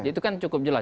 itu kan cukup jelas